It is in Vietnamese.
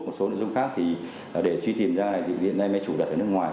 một số nội dung khác thì để truy tìm ra thì hiện nay mới chủ đặt ở nước ngoài